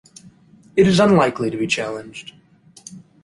It is unlikely to be challenged.